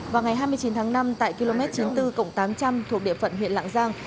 vào ngày hai mươi chín tháng năm tại km chín mươi bốn tám trăm linh thuộc địa phận huyện lạng giang